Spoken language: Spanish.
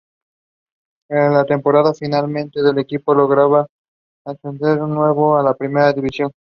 Esa temporada finalmente el equipo logra ascender de nuevo a la Primera División.